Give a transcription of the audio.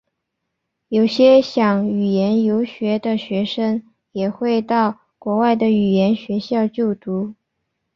有些想语言游学的学生也会到国外的语言学校就读。